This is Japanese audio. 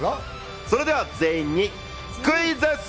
それでは全員にクイズッス！